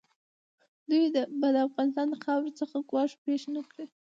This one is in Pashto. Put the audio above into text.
دوی به د افغانستان خاورې څخه ګواښ پېښ نه کړي.